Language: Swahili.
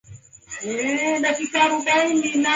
wewe fani hii umeisomea au